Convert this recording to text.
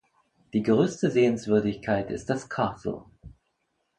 Die größte Sehenswürdigkeit ist das Castle.